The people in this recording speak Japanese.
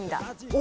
お！